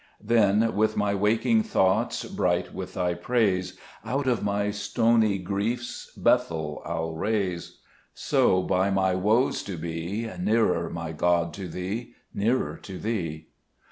4 Then, with my waking thoughts Bright with Thy praise, Out of my stony griefs Bethel I'll raise ; So by my woes to be Nearer, my God, to Thee, Nearer to Thee